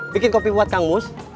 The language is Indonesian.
bikin kopi buat kang mus